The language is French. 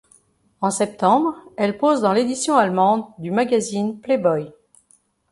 En septembre, elle pose dans l'édition allemande du magazine Playboy.